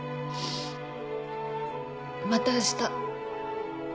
また明日。